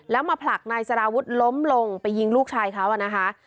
แล้วมาผลักนายสารวุฒิล้มลงไปยิงลูกชายเขานะคะ